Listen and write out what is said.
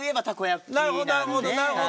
なるほどなるほどなるほどなるほど。